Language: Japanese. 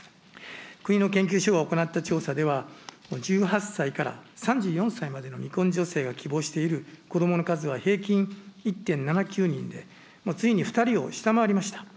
国の研究所が行った調査では、１８歳から３４歳までの未婚女性が希望している子どもの数は平均１．７９人で、ついに２人を下回りました。